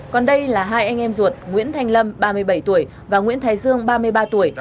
còn đây là hai anh em ruột nguyễn thanh lâm ba mươi bảy tuổi và nguyễn thái dương ba mươi ba tuổi